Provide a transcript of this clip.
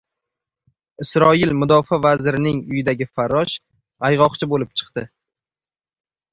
Isroil Mudofaa vazirining uyidagi farrosh ayg‘oqchi bo‘lib chiqdi